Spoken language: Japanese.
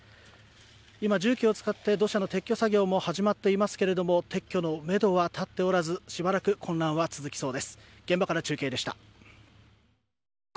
今、重機を使って土砂の撤去作業も始まっていますけれども撤去のめどは立っておらずしばらく混乱は続きそうです。